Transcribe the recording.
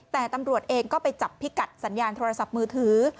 แต่ตำรวจเองก็ไปจับพิกัดสัญญาณโทรศัพท์มือถือ